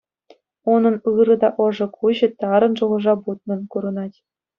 Унӑн ырӑ та ӑшӑ куҫӗ тарӑн шухӑша путнӑн курӑнать.